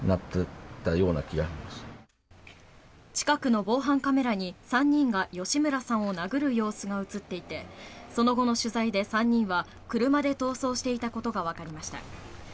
近くの防犯カメラに３人が吉村さんを殴る様子が映っていてその後の取材で３人は車で逃走していたことがわかりました。